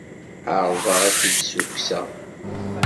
Ɛerḍeɣ ad k-id-ssukkseɣ.